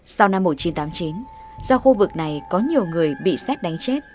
sau năm một nghìn chín trăm tám mươi chín do khu vực này có nhiều người bị xét đánh chết